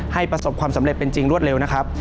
ประสบความสำเร็จเป็นจริงรวดเร็วนะครับ